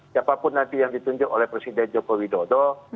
siapapun nanti yang ditunjuk oleh presiden joko widodo